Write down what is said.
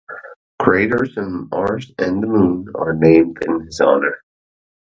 Craters on Mars and the Moon are named in his honour.